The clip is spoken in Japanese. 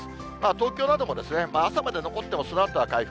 東京なども朝まで残っても、そのあとは回復。